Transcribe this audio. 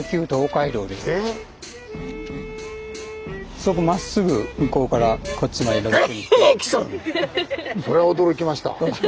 そこまっすぐ向こうからこっちまで。